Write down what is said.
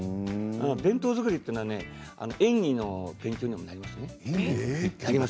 弁当作りというのは演技の勉強にもなりますね。